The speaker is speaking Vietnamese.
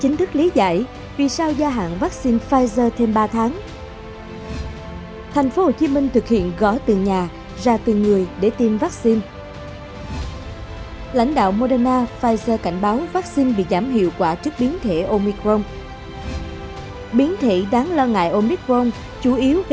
hãy đăng ký kênh để ủng hộ kênh của chúng mình nhé